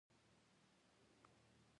د ځمکې دوران د ورځو او شپو سبب دی.